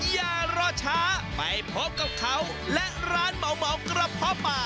อย่ารอช้าไปพบกับเขาและร้านเหมากระเพาะป่า